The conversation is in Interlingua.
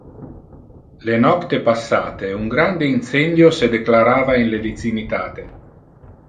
Le nocte passate un grande incendio se declarava in le vicinitate.